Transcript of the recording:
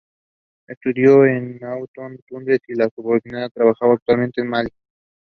they suffer universally from at least some archaic words and phrasing.